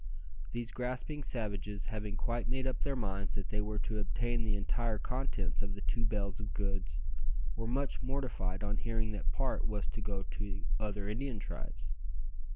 These grasping savages having quite made up their minds that they were to obtain the entire contents of the two bales of goods, were much mortified on hearing that part was to go to other Indian tribes.